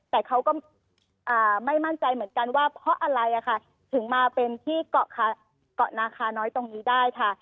แต่เขาก็ไม่มั่นใจเหมือนกันว่าเพราะอะไรถึงมาเป็นที่เกาะนาคาน้อยตรงนี้ได้ค่ะ